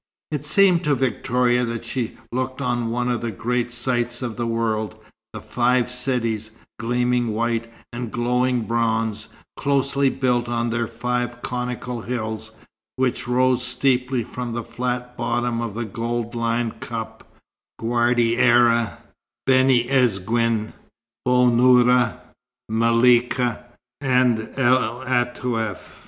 It seemed to Victoria that she looked on one of the great sights of the world: the five cities, gleaming white, and glowing bronze, closely built on their five conical hills, which rose steeply from the flat bottom of the gold lined cup Ghardaia, Beni Isguen, Bou Noura, Melika, and El Ateuf.